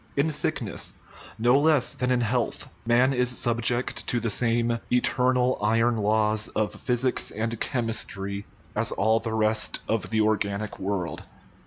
In sickness, no less than in health, man is subject to the same eternal "iron laws" of physics and chemistry as all the rest of the organic world.